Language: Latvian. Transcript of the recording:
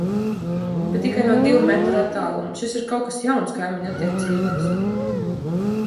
Bet tikai no divu metru attāluma. Šis ir kaut kas jauns kaimiņu attiecībās.